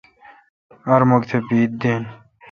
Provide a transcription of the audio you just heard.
ار مک تھ بید دین۔